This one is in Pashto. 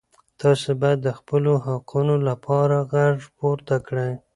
تاسو باید د خپلو حقوقو لپاره غږ پورته کړئ.